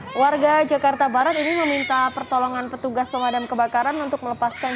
hai warga jakarta barat ini meminta pertolongan petugas pemadam kebakaran untuk melepaskan